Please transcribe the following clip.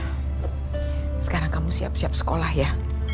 kamu siap siap sekolah ya kamu siap siap sekolah ya